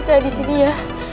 disini saya disini ya